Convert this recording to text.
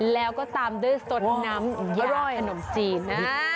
แล้วก็ตามด้วยสดน้ำยอดขนมจีน